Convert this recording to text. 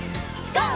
ＧＯ！